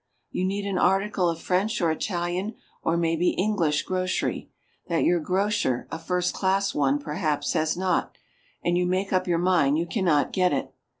You need an article of French or Italian or may be English grocery, that your grocer, a first class one, perhaps, has not, and you make up your mind you cannot get it.